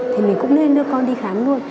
thì mình cũng nên đưa con đi khám luôn